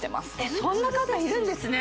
そんな方いるんですね